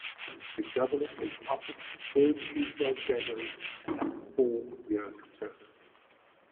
The Governor takes office the third Tuesday of January and has a four-year term.